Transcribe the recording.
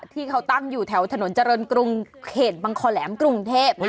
ที่เขาตั้งอยู่แถวถนนเจริญกรุงเขตบังคอแหลมกรุงเทพ